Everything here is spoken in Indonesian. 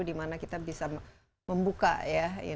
dimana kita bisa membuka ya